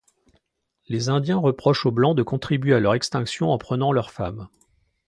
Les indiens reprochent aux blancs de contribuer à leur extinction en prenant leurs femmes.